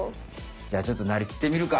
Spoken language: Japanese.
じゃあちょっとなりきってみるか。